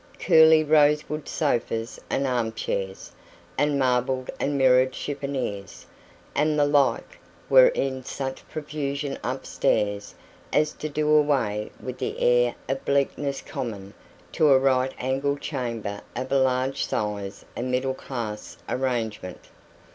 Curly rosewood sofas and arm chairs, and marbled and mirrored chiffonniers, and the like, were in such profusion upstairs as to do away with the air of bleakness common to a right angled chamber of large size and middle class arrangement.